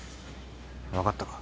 分かったか？